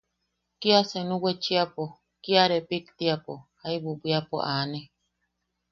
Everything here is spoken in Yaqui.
Kia senu wechiapo, kia repiktiapo, jaibu bwiapo aane.